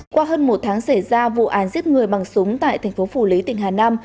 qua hơn một tháng xảy ra vụ án giết người bằng súng tại thành phố phủ lý tỉnh hà nam